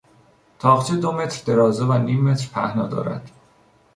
تاقچه دو متر درازا و نیم متر پهنا دارد.